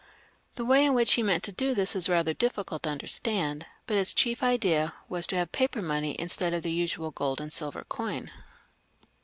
The way in which he meant to do this is rather difficult to understand, but his chief idea was to have paper money instead of the usual gold and silver coin.